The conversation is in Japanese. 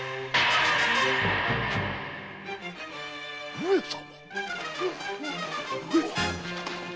上様！